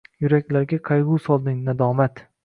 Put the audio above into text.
Yuraklarga qayg‘u solding, nadomat